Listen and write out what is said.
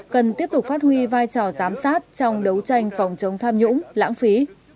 cần tiếp tục phát huy vai trò giám sát trong đấu tranh phòng chống tham nhũng lãng phí